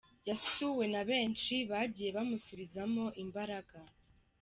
Yasuwe na benshi bagiye bamusubizamo imbaraga.